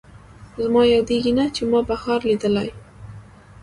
زما یادېږي نه، چې ما بهار لیدلی